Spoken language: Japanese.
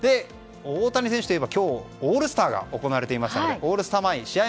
大谷選手といえば今日オールスターが行われていましたのでオールスターの試合